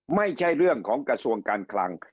ไม่ใช่เรื่องของกระทรวงการคลัง